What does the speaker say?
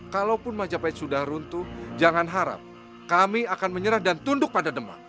kalaupun majapahit sudah runtuh jangan harap kami akan menyerah dan tunduk pada demak